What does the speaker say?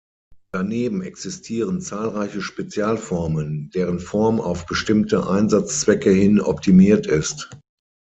Daneben existieren zahlreiche Spezialformen, deren Form auf bestimmte Einsatzzwecke hin optimiert ist.